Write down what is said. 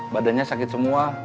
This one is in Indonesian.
badannya sakit semua